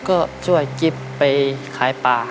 ก็ช่วยกิ๊บไปขายป่า